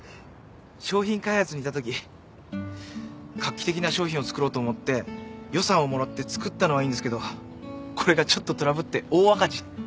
商品開発にいたとき画期的な商品を作ろうと思って予算をもらって作ったのはいいんですけどこれがちょっとトラブって大赤字。